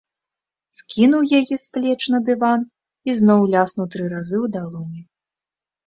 Скінуў яе з плеч на дыван і зноў ляснуў тры разы ў далоні.